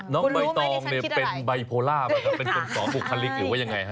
น้องใบตองเป็นไบโพล่าเป็นคนสอบกลุ่มคลิกหรือว่ายังไง